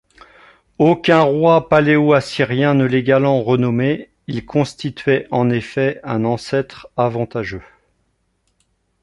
Aucun roi paléo-assyrien ne l'égalant en renommée, il constituait en effet un ancêtre avantageux.